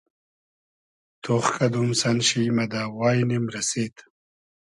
تۉخ کئدوم سئن شی مۂ دۂ واݷنیم رئسید